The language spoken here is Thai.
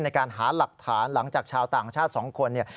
ในการหาหลักฐานหลังจากชาวต่างชาติ๒คนเนี่ย